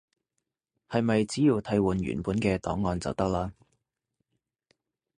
係咪只要替換原本嘅檔案就得喇？